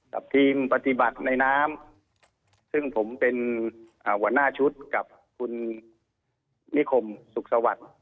กับทีมปฏิบัติในน้ำซึ่งผมเป็นหัวหน้าชุดกับคุณนิคมสุขสวัสดิ์